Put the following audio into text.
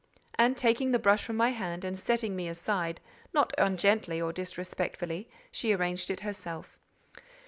And taking the brush from my hand, and setting me aside, not ungently or disrespectfully, she arranged it herself.